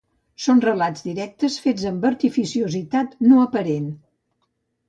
Són relats directes fets amb artificiositat no aparent